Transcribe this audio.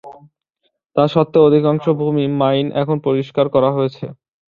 তা সত্ত্বেও, অধিকাংশ ভূমি মাইন এখন পরিষ্কার করা হয়েছে।